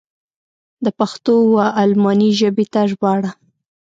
د پښتو و الماني ژبې ته ژباړه.